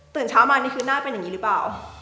เช้ามานี่คือหน้าเป็นอย่างนี้หรือเปล่า